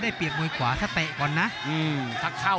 โหโหโหโหโหโหโหโหโห